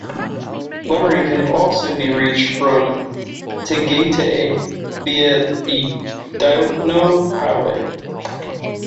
Lemery can also be reached from Tagaytay via the Diokno Highway.